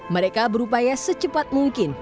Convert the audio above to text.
mereka berupaya secepat mungkin